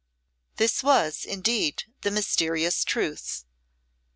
This was, indeed, the mysterious truth.